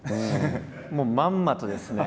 もうまんまとですね